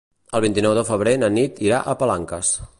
El vint-i-nou de febrer na Nit irà a Palanques.